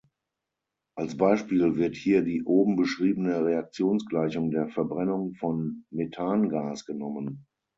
Als Beispiel wird hier die oben beschriebene Reaktionsgleichung der Verbrennung von Methangas genommen.